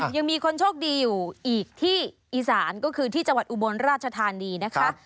ยังมีคนโชคดีอยู่อีกที่อีสานก็คือที่จังหวัดอุบลราชธานีนะคะ